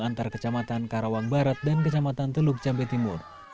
antar kecamatan karawang barat dan kecamatan teluk jambe timur